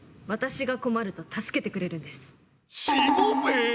私が困ると助けてくれるんです。